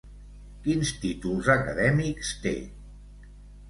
Quins títols acadèmics té?